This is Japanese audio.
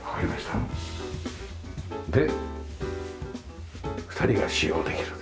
で２人が使用できる。